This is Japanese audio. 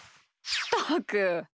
ったく！